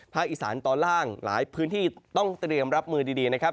อีสานตอนล่างหลายพื้นที่ต้องเตรียมรับมือดีนะครับ